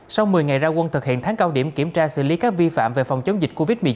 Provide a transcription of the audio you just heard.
sau một mươi ngày ra quân thực hiện tháng cao điểm kiểm tra xử lý các vi phạm về phòng chống dịch covid một mươi chín